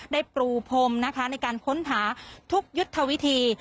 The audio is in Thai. ได้ปลูพมในการค้นหาทุกยุทธวิธี